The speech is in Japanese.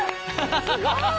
すごい！